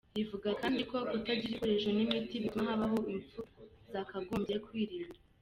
Rivuga kandi ko kutagira ibikoresho n’imiti bituma habaho impfu zakagombye kwirindwa.